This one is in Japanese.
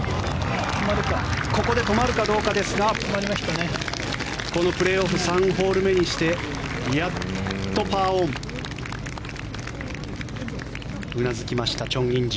ここで止まるかどうかですがこのプレーオフ３ホール目にしてやっとパーオン。